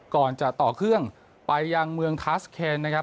ก่อนจะต่อเครื่องไปยังเมืองคาสเคนนะครับ